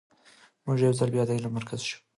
موږ به یو ځل بیا د علم مرکز شو.